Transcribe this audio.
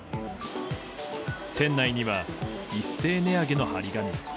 店内には、一斉値上げの貼り紙。